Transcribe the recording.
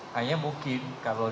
hanya mungkin kalau